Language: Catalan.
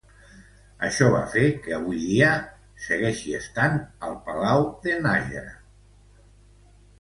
Això va fer que avui dia, segueixi estant al Palau de Nájera.